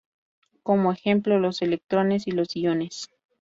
Como ejemplo los electrones y los iones.